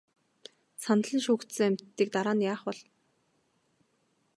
Санал нь шүүгдсэн амьтдыг дараа нь яах бол?